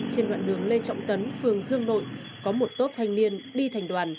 trên đoạn đường lê trọng tấn phường dương nội có một tốp thanh niên đi thành đoàn